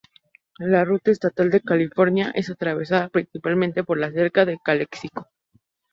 La Ruta Estatal de California es atravesada principalmente por la cerca de Calexico.